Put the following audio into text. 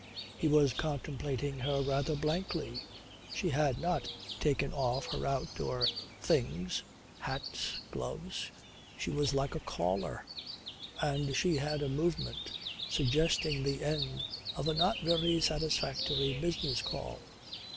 He was contemplating her rather blankly. She had not taken off her outdoor things, hat, gloves. She was like a caller. And she had a movement suggesting the end of a not very satisfactory business call.